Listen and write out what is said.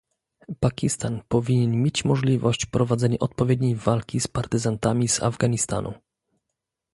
Pakistan powinien mieć możliwość prowadzenia odpowiedniej walki z partyzantami z Afganistanu